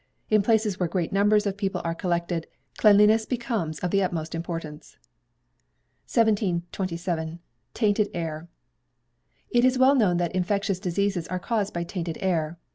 In places where great numbers of people are collected, cleanliness becomes of the utmost importance. 1727. Tainted Air. It is well known that infectious diseases are caused by tainted air.